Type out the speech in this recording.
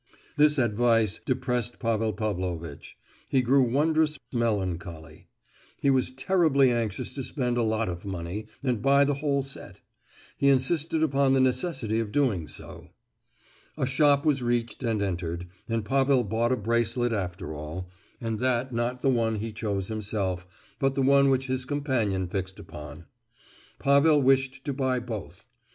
This advice depressed Pavel Pavlovitch; he grew wondrous melancholy. He was terribly anxious to spend a lot of money, and buy the whole set. He insisted upon the necessity of doing so. A shop was reached and entered, and Pavel bought a bracelet after all, and that not the one he chose himself, but the one which his companion fixed upon. Pavel wished to buy both.